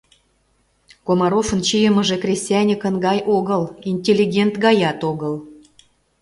Комаровын чийымыже кресаньыкын гай огыл, интеллигент гаят огыл.